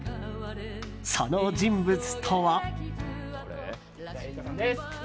その人物とは。